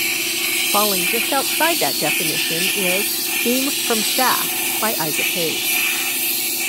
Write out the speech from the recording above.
Falling just outside that definition is "Theme From Shaft" by Isaac Hayes.